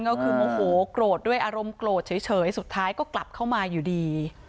ก็คือโมโหโกรธด้วยอารมณ์โกรธเฉยสุดท้ายก็กลับเข้ามาอยู่ดี